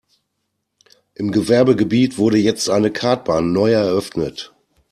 Im Gewerbegebiet wurde jetzt eine Kartbahn neu eröffnet.